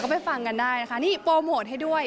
ไปฟังกันได้นะคะนี่โปรโมทให้ด้วย